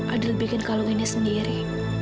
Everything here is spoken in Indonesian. adil bikin kalung ini sendiri